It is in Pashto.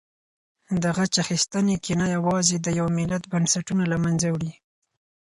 د غچ اخیستنې کینه یوازې د یو ملت بنسټونه له منځه وړي.